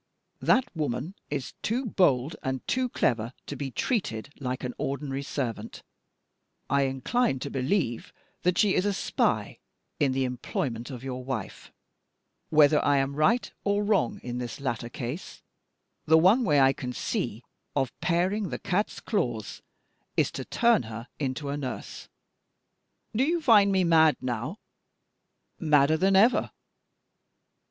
That woman is too bold and too clever to be treated like an ordinary servant I incline to believe that she is a spy in the employment of your wife. Whether I am right or wrong in this latter case, the one way I can see of paring the cat's claws is to turn her into a nurse. Do you find me mad now?" "Madder than ever!"